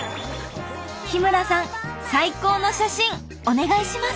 日村さん最高の写真お願いします。